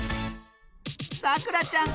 さくらちゃん